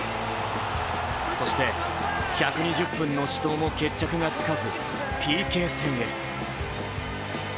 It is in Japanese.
そして１２０分の死闘も決着がつかずＰＫ戦へ。